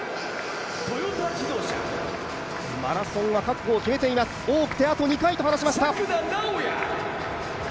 マラソンは覚悟を決めています、多くてあと２回と話しました。